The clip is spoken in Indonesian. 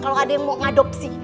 kalau ada yang mau ngadopsi